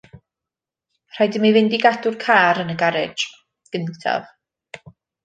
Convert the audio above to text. Rhaid i mi fynd i gadw'r car yn y garej gyntaf.